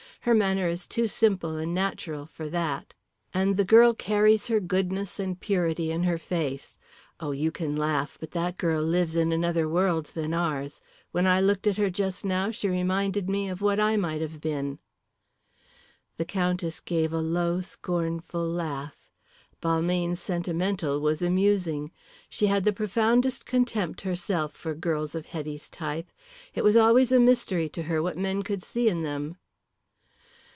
Her manner was too simple and natural for that. And the girl carries her goodness and purity in her face. Oh, you can laugh, but that girl lives in another world than ours. When I looked at her just now, she reminded me of what I might have been." The Countess gave a low, scornful laugh. Balmayne sentimental was amusing. She had the profoundest contempt herself for girls of Hetty's type. It was always a mystery to her what men could see in them.